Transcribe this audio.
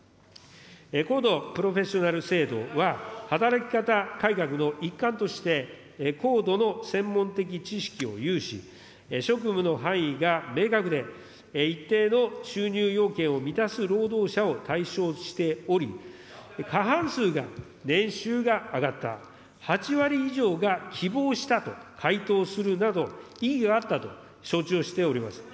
高度プロフェッショナル制度は、働き方改革の一環として、高度の専門的知識を有し、職務の範囲が明確で、一定の収入要件を満たす労働者を対象としており、過半数が年収が上がった、８割以上が希望したと回答するなど、意義があったと承知をしております。